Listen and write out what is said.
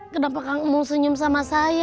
kenapa kang mus senyum sama saya